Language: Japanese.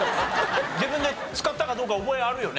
自分で使ったかどうか覚えあるよね？